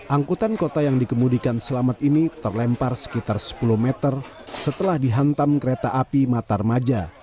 angkutan kota yang dikemudikan selamat ini terlempar sekitar sepuluh meter setelah dihantam kereta api matarmaja